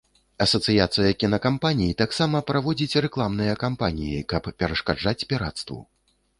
Асацыяцыя кінакампаній таксама праводзіць рэкламныя кампаніі, каб перашкаджаць пірацтву.